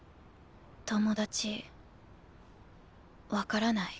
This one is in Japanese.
友達分からない。